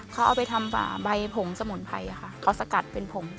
เขาเอาไปทำฝ่าใบผงสมุนไพรค่ะเขาสกัดเป็นผง